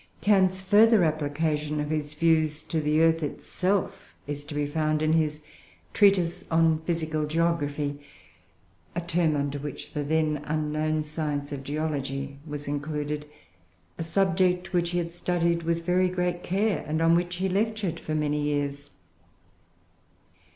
Kant's further application of his views to the earth itself is to be found in his "Treatise on Physical Geography" (a term under which the then unknown science of geology was included), a subject which he had studied with very great care and on which he lectured for many years.